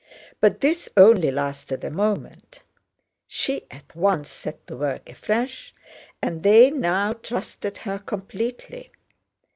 But this only lasted a moment. She at once set to work afresh and they now trusted her completely.